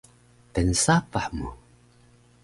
Tnsapah mu